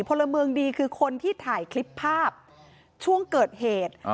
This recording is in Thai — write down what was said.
พลเมืองดีคือคนที่ถ่ายคลิปภาพช่วงเกิดเหตุ